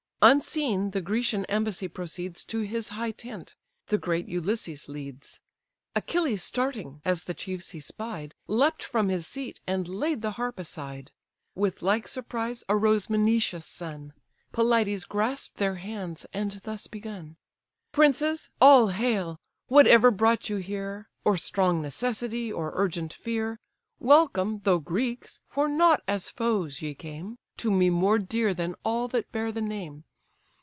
Unseen the Grecian embassy proceeds To his high tent; the great Ulysses leads. Achilles starting, as the chiefs he spied, Leap'd from his seat, and laid the harp aside. With like surprise arose Menoetius' son: Pelides grasp'd their hands, and thus begun: "Princes, all hail! whatever brought you here. Or strong necessity, or urgent fear; Welcome, though Greeks! for not as foes ye came; To me more dear than all that bear the name."